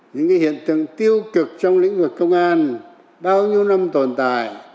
những hiện tượng tiêu cực trong lĩnh vực công an bao nhiêu năm tồn tại